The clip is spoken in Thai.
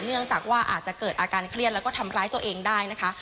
เนื่องจากว่าอาจจะเกิดอาการเครียดแล้วก็ทำร้ายตัวเองได้นะคะ